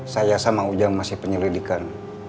saya sama ujang masih penyelidikan